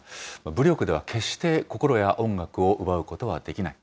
武力では決して心や音楽を奪うことはできない。